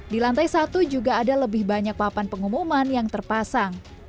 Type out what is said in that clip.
di lantai satu juga ada lebih banyak papan pengumuman yang terpasang